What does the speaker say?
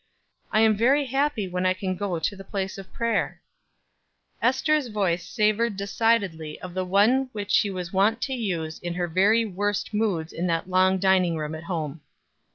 I am very happy when I can go to the place of prayer." Ester's voice savored decidedly of the one which she was wont to use in her very worst moods in that long dining room at home.